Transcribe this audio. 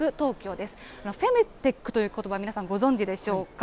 フェムテックということば、皆さんご存じでしょうか。